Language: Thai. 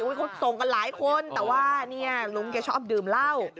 เขาส่งกันหลายคนแต่ว่าเนี่ยลุงแกชอบดื่มเหล้า